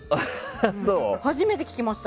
初めて聞きました。